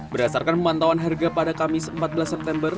berdasarkan pemantauan harga pada kamis empat belas september